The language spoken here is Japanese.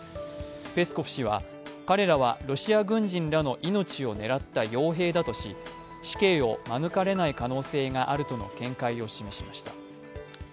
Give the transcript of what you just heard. ペスコフ氏は、彼らはロシア軍人らの命を狙ったよう兵だとし死刑を免れない可能性があるとの見解を示しました。